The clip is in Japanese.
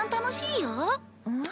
うん？